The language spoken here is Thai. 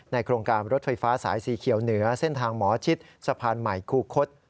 โครงการรถไฟฟ้าสายสีเขียวเหนือเส้นทางหมอชิดสะพานใหม่คูคศ